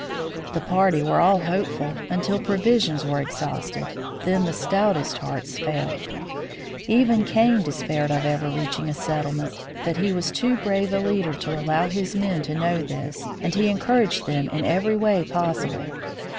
The party were all hopeful until provisions were ex hausted; then the stoutest hearts failed. Even Kane de spaired of ever reaching a settlement, but he was too brave a leader to allow his men to know this, and he encouraged them in every way possible.